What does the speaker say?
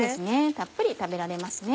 たっぷり食べられますね。